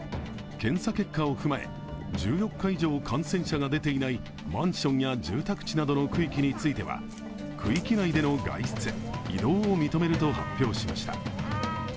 検査結果を踏まえ、１４日以上感染者が出ていないマンションや住宅地などの区域については、区域内での外出、移動を認めると発表しました。